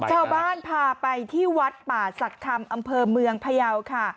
ชาวบ้านพาไปที่วัดป่าศักดิ์คำอำเภอเมืองพยาวค่ะ